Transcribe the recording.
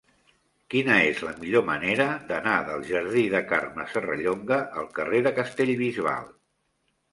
Quina és la millor manera d'anar del jardí de Carme Serrallonga al carrer de Castellbisbal?